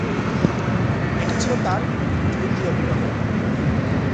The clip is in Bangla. এটি ছিল তার তৃতীয় বিবাহ।